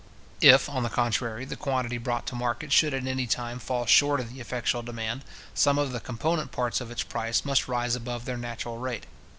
If, on the contrary, the quantity brought to market should at any time fall short of the effectual demand, some of the component parts of its price must rise above their natural rate.